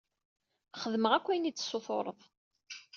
Xedmeɣ akk ayen i d-tessutureḍ.